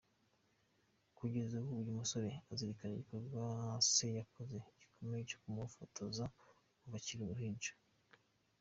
Kugeza nubu uyu musore azirikana igikorwa se yakoze gikomeye cyo kumufotoza kuva akiri uruhinja .